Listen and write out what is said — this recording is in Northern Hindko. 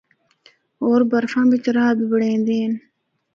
ہور برفا بچ راہ بھی بنڑیندے ہن۔